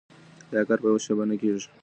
دا کار په يوه شپه کي نه کيږي.